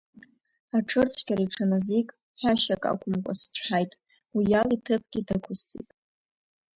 Аҽырцәгьара иҽаназик, ҳәашьак ақәымкәа сыцәҳаит, уиала иҭыԥгьы дықәысцеит.